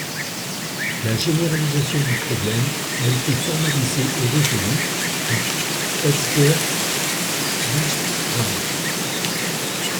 La généralisation du problème a été formalisée et résolue par Edsger Dijkstra.